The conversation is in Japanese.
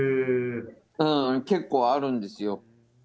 結構あるんですよ。